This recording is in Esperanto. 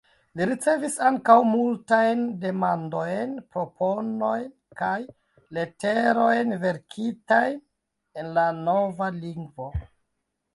Li ricevis ankaŭ multajn demandojn, proponojn, kaj leterojn verkitajn en la nova lingvo.